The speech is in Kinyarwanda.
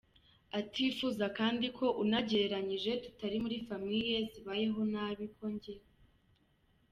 atifuza kandi ko unagereranyije tutari muri famille zibayeho nabi ko njye.